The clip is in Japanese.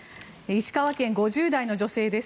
石川県、５０代の女性です。